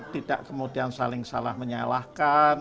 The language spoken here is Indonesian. tidak kemudian saling salah menyalahkan